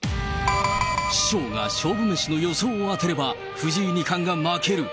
師匠が勝負メシの予想を当てれば藤井二冠が負ける。